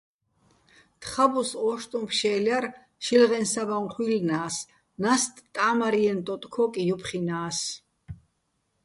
თხაბუს ო́შტუჼ ფშე́ლ ჲარ, შილღეჼ საბაჼ ჴუჲლლნა́ს, ნასტ ტა́მარჲენო ტოტ-ქო́კი ჲოფხჲინა́ს.